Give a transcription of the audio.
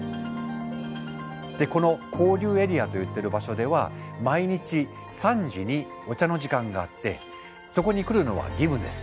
でこの交流エリアといっている場所では毎日３時にお茶の時間があってそこに来るのは義務です。